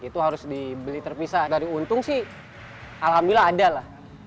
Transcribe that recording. itu harus dibeli terpisah dari untung sih alhamdulillah ada lah